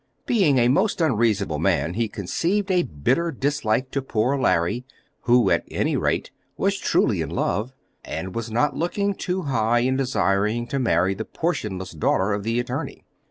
Being a most unreasonable man he conceived a bitter dislike to poor Larry, who, at any rate, was truly in love, and was not looking too high in desiring to marry the portionless daughter of the attorney.